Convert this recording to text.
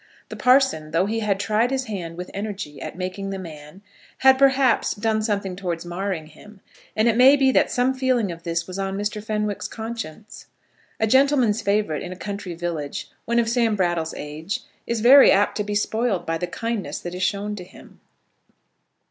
The parson, though he had tried his hand with energy at making the man, had, perhaps, done something towards marring him; and it may be that some feeling of this was on Mr. Fenwick's conscience. A gentleman's favourite in a country village, when of Sam Brattle's age, is very apt to be spoiled by the kindness that is shown to him.